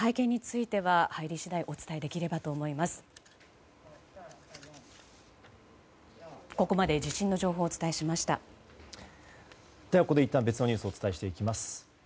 いったん別のニュースをお伝えしていきます。